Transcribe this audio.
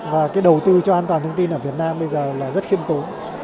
và cái đầu tư cho an toàn thông tin ở việt nam bây giờ là rất khiêm tố